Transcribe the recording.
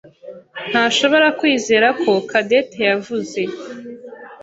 ntashobora kwizera ko Cadette yavuze.